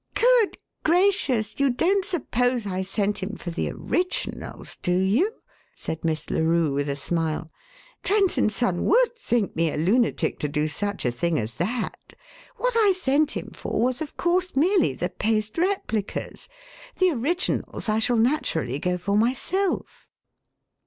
"Good gracious, you don't suppose I sent him for the originals, do you?" said Miss Larue with a smile. "Trent & Son would think me a lunatic to do such a thing as that. What I sent him for was, of course, merely the paste replicas. The originals I shall naturally go for myself."